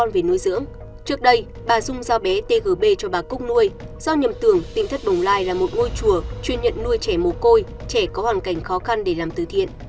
trước đây bà dung giao bé tgb cho bà cúc nuôi do nhầm tưởng tin thất bồng lai là một ngôi chùa chuyên nhận nuôi trẻ mồ côi trẻ có hoàn cảnh khó khăn để làm từ thiện